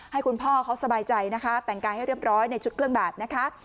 ให้คุณพ่อเขาสบายใจนะคะแต่งกายให้เรียบร้อยในชุดเครื่องแบบนะคะ